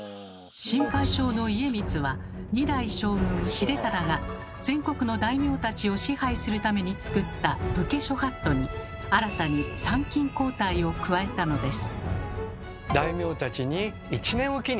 心配性の家光は二代将軍秀忠が全国の大名たちを支配するために作った「武家諸法度」に新たに参勤交代を加えたのです。